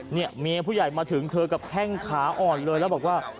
เนี่ยเมียผู้ใหญ่มาถึงเธอกับแข้งขาอ่อนเลยแล้วบอกว่า